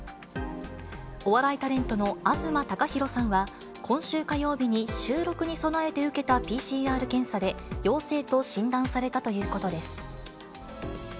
お笑いタレントの東貴博さんは、今週火曜日に収録に備えて受けたＰＣＲ検査で陽性と診断されたということです。